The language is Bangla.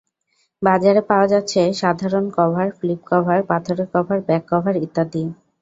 বাজারে পাওয়া যাচ্ছে সাধারণ কভার, ফ্লিপ কভার, পাথরের কভার, ব্যাক কভার ইত্যাদি।